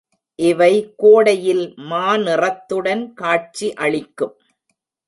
இவை கோடையில் மாநிறத்துடன் காட்சி அளிக்கும்.